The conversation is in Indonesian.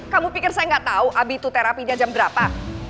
kamu pikir saya gak tau abitut terapinya jam berapa